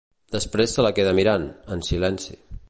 Després se la queda mirant, en silenci.